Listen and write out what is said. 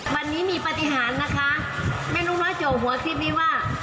วันนี้มีปฏิหารนะคะไม่รู้ว่าเจ๋อหัวคิดมิว่า